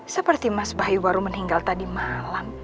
seperti mas bayu baru meninggal tadi malam